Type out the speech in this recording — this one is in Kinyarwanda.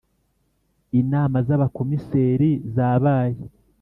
Inama z Abakomiseri zabaye